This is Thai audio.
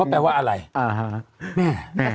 ว่าแปลว่าอะไรอ๋อแม่แม่